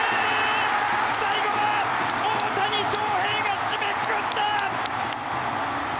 最後は大谷翔平が締めくくった！